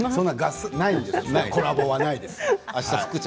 そんなコラボはないです。